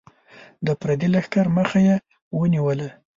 د پردي لښکر مخه یې ونیوله.